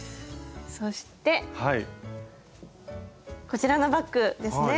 こちらのバッグですね。